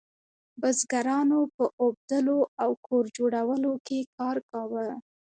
بزګرانو په اوبدلو او کور جوړولو کې کار کاوه.